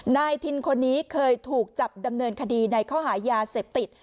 นายทินคนนี้เคยถูกจับดำเนินคดีในข้อหายาเสพติด